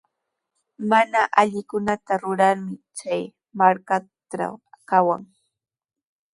Mana allikunata rurarmi chay markatraw kawan.